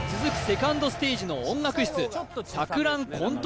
セカンドステージの音楽室